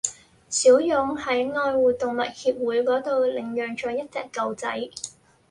小勇喺愛護動物協會嗰度領養咗一隻狗仔